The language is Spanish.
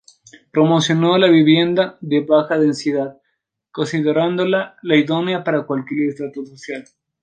Promocionó la vivienda de baja densidad, considerándola la idónea para cualquier estrato social.